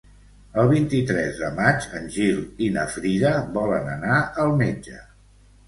El vint-i-tres de maig en Gil i na Frida volen anar al metge.